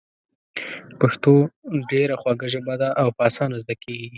پښتو ډېره خوږه ژبه ده او په اسانه زده کېږي.